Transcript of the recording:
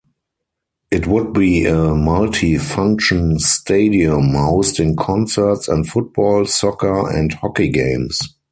It would be a multi-function stadium, hosting concerts and football, soccer, and hockey games.